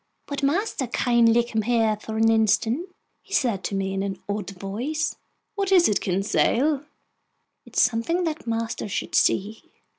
"Would master kindly come here for an instant?" he said to me in an odd voice. "What is it, Conseil?" "It's something that master should see."